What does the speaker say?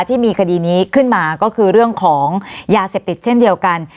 ที่มีคดีนี้ขึ้นมาก็คือเรื่องของยาเสพติดเช่นเดียวกัน